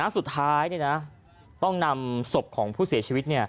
สุดท้ายต้องนำศพของผู้เสียชีวิต